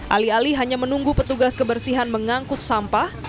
alih alih hanya menunggu petugas kebersihan mengangkut sampah